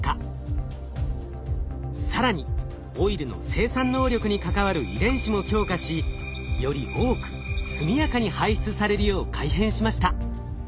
更にオイルの生産能力に関わる遺伝子も強化しより多く速やかに排出されるよう改変しました。